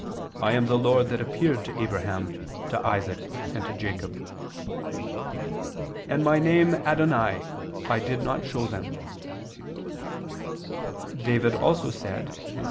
'I am the Lord that appeared to Abraham, to Isaac, and to Jacob'] ... and My name Adonai I did not show them": David also said (Ps.